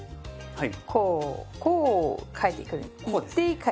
はい。